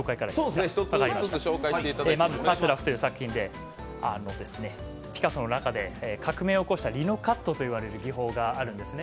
まず「立つ裸婦」という作品でピカソの中で革命を起こしたリノカットという技法があるんですね。